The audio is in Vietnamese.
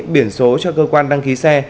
biển số cho cơ quan đăng ký xe